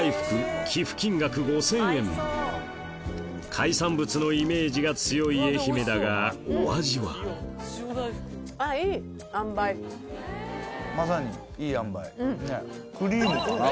海産物のイメージが強い愛媛だがお味はまさにいいあんばいクリームかな？